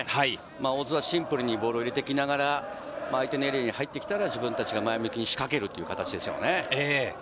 大津はシンプルにボールを入れてきながら、相手のエリアに入ってきたら自分達が前向きに仕掛けるという形ですね。